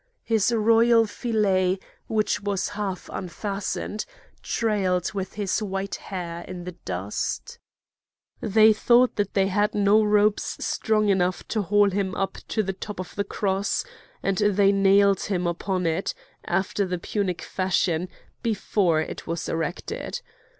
His royal fillet, which was half unfastened, trailed with his white hair in the dust. They thought that they had no ropes strong enough to haul him up to the top of the cross, and they nailed him upon it, after the Punic fashion, before it was erected.